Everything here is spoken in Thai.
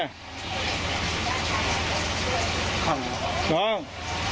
พี่ของ